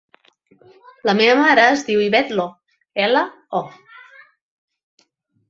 La meva mare es diu Ivet Lo: ela, o.